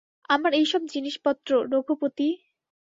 আমার এই সব জিনিসপত্র- রঘুপতি।